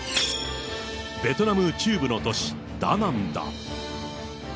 ベトナム中部の都市、ダナンだ。